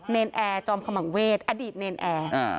นแอร์จอมขมังเวศอดีตเนรนแอร์